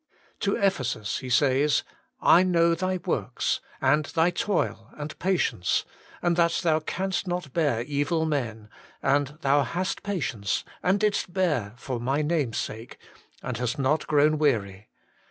To Ephesus He says :' I know thy ivorks, and thy toil and patience, and that thou canst not bear evil men, and thou hast patience and didst bear for My name's sake, and hast not grown weary.